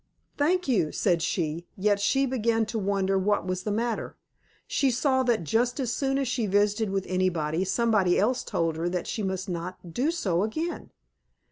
"Thank you," said she, yet she began to wonder what was the matter. She saw that just as soon as she visited with anybody, somebody else told her that she must not do so again.